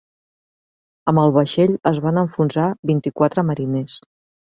Amb el vaixell es van enfonsar vint-i-quatre mariners.